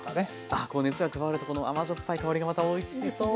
あこう熱が加わるとこの甘じょっぱい香りがまたおいしそうですね。